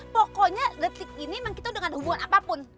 pokoknya detik ini memang kita udah gak ada hubungan apapun